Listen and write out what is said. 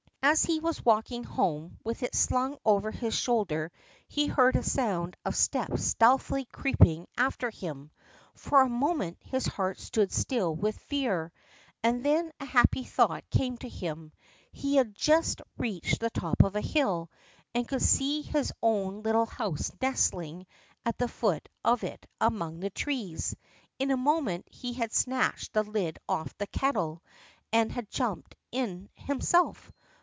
As he was walking home with it slung over his shoulder he heard a sound of steps stealthily creeping after him. For a moment his heart stood still with fear, and then a happy thought came to him. He had just reached the top of a hill, and could see his own little house nestling at the foot of it among the trees. In a moment he had snatched the lid off the kettle and had jumped in himself.